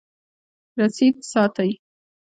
رسید ساتئ